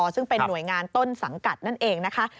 ซึ่งเป็นหน่วยงานต้นสังกัดนั่นเองนะคะ